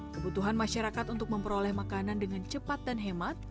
kebutuhan masyarakat untuk memperoleh makanan dengan cepat dan hemat